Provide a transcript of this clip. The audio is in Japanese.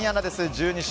１２勝。